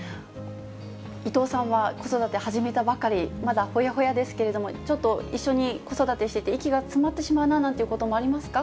伊藤さんは、子育て始めたばかり、まだほやほやですけれども、ちょっと、一緒に子育てしていて、息が詰まってしまうということもありますか？